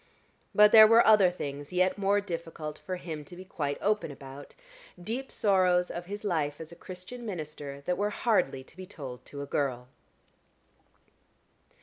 But there were other things yet more difficult for him to be quite open about deep sorrows of his life as a Christian minister that were hardly to be told to a girl.